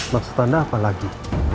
maksud anda apa lagi